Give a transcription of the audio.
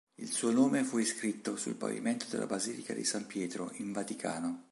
Il suo nome fu iscritto sul pavimento della Basilica di San Pietro, in Vaticano.